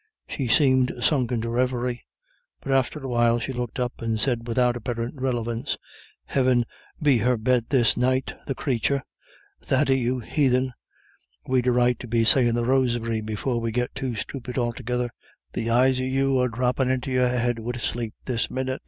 She seemed sunk into a reverie. But after a while she looked up and said without apparent relevance: "Heaven be her bed this night, the cratur. Thady, you heathen, we'd a right to be sayin' the Rosary before we git too stupid altogether. The eyes of you are droppin' into your head wid sleep this minnit."